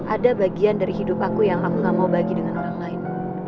ada bagian dari hidup aku yang kamu gak mau bagi dengan orang lain